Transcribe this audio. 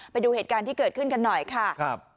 ไปดูเหตุการณ์ที่เกิดขึ้นกันหน่อยค่ะ